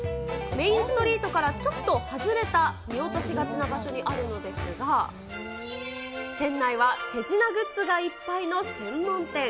メインストリートからちょっと外れた、見落としがちな場所にあるのですが、店内は手品グッズがいっぱいの専門店。